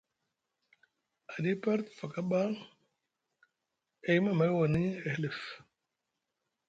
Aɗipar te faka ɓa e yimi amay woni a hilif.